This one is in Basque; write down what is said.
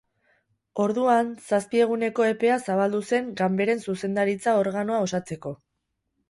Orduan zazpi eguneko epea zabaldu zen ganberen zuzendaritza organoa osatzeko.